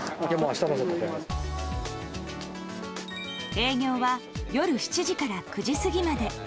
営業は夜７時から９時過ぎまで。